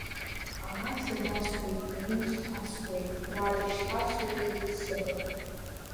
Амаца дасуеит, игәы дҭасуеит, уа дышьҭасуеит дыццакы.